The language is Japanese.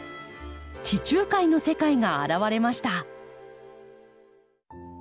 地中海の世界が現れました。